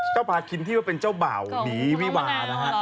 เจ้าพาคินที่เป็นเจ้าเผาหนีวิวา